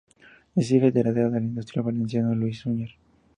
Es hija y heredera del industrial valenciano Luis Suñer.